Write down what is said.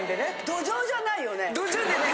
どじょうじゃないよね？